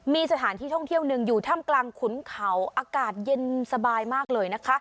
มีสถานที่ท่องเที่ยวหนึ่งอยู่ถ้ำกลางขุนเขาอากาศเย็นสบายมากเลยนะคะ